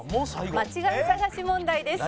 間違い探し問題です。